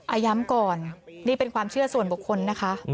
ย้ำก่อนนี่เป็นความเชื่อส่วนบุคคลนะคะ